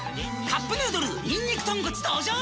「カップヌードルにんにく豚骨」登場！